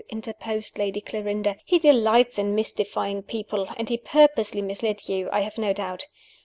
interposed Lady Clarinda. "He delights in mystifying people; and he purposely misled you, I have no doubt.